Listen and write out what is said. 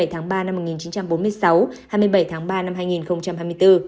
hai mươi tháng ba năm một nghìn chín trăm bốn mươi sáu hai mươi bảy tháng ba năm hai nghìn hai mươi bốn